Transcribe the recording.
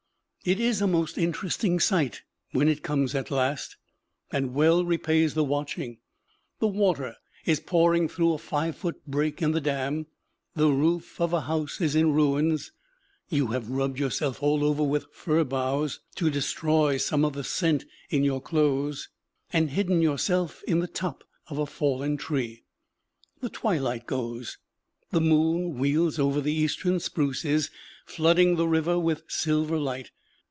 It is a most interesting sight when it comes at last, and well repays the watching. The water is pouring through a five foot break in the dam; the roof of a house is in ruins. You have rubbed yourself all over with fir boughs, to destroy some of the scent in your clothes, and hidden yourself in the top of a fallen tree. The twilight goes; the moon wheels over the eastern spruces, flooding the river with silver light.